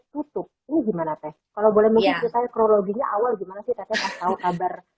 tutup ini gimana teh kalau boleh mungkin ceritanya kronologinya awal gimana sih teh pas tahu kabar